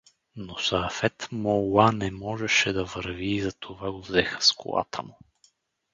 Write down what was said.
Но Саафет молла не можеше да върви и затова го взеха с колата му.